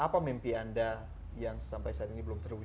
apa mimpi anda yang sampai saat ini belum terwujud